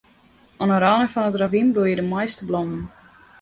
Oan 'e râne fan it ravyn bloeie de moaiste blommen.